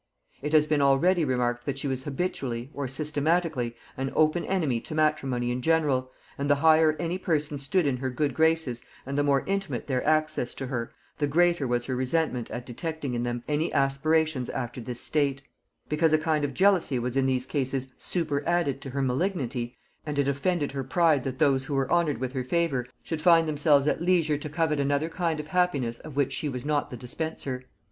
It has been already remarked that she was habitually, or systematically, an open enemy to matrimony in general; and the higher any persons stood in her good graces and the more intimate their access to her, the greater was her resentment at detecting in them any aspirations after this state; because a kind of jealousy was in these cases superadded to her malignity, and it offended her pride that those who were honored with her favor should find themselves at leisure to covet another kind of happiness of which she was not the dispenser.